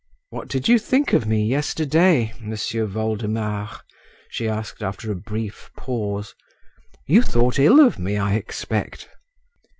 "What did you think of me yesterday, M'sieu Voldemar?" she asked after a brief pause. "You thought ill of me, I expect?"